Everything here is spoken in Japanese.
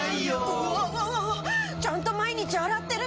うわわわわちゃんと毎日洗ってるのに。